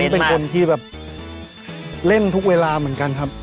เป็นคนที่แบบเล่นทุกเวลาเหมือนกันครับ